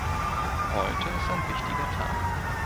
Heute ist ein wichtiger Tag.